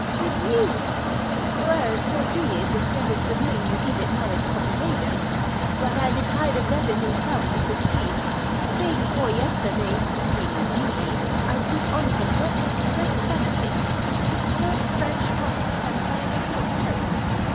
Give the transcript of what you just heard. " Seduce ? Well, so be it, if that is the name you give it now in Copenhagen ; but I defy the Devil himself to suc ceed. Day before yesterday, being on duty, I put on for her express benefit a superb French ruff sent direct from Paris.